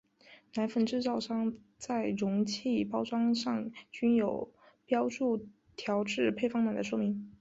奶粉制造商在容器包装上均有标注调制配方奶的说明。